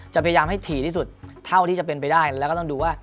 พยายามให้ถี่ที่สุดเท่าที่จะเป็นไปได้แล้วก็ต้องดูว่า